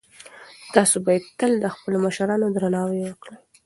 تاسو باید تل د خپلو مشرانو درناوی وکړئ.